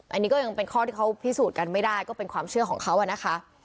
อันนี้ก็ยังเป็นข้อที่เขาพิสูจน์กันไม่ได้ก็เป็นความเชื่อของเขานะคะ